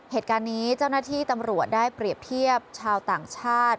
เหตุการณ์นี้เจ้าหน้าที่ตำรวจได้เปรียบเทียบชาวต่างชาติ